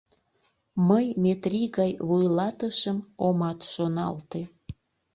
Мый Метри гай вуйлатышым омат шоналте!..